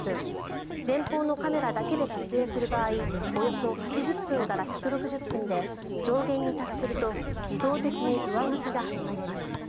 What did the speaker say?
前方のカメラだけで撮影する場合およそ８０分から１６０分で上限に達すると自動的に上書きが始まります。